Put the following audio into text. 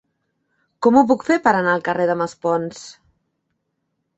Com ho puc fer per anar al carrer de Maspons?